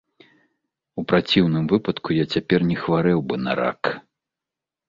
У праціўным выпадку я цяпер не хварэў бы на рак.